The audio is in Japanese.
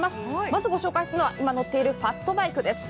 まずご紹介するのが今乗っているファットバイクです。